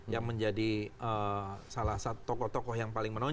yang menjadi salah satu tokoh tokoh yang paling menonjol